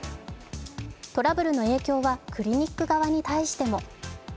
トラブルの影響はクリニック側に対しても。